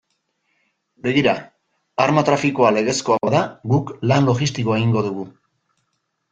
Begira, arma trafikoa legezkoa bada, guk lan logistikoa egingo dugu.